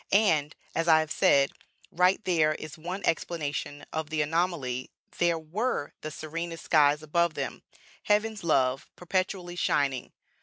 And, as I have said, right there is one explanation of the anomaly; there were the serenest skies above them heaven's love perpetually shining.